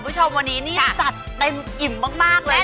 พี่ชมวันนี้นี่สัตย์เป็นอิ่มมากเลย